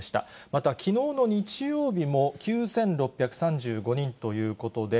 また、きのうの日曜日も、９６３５人ということで、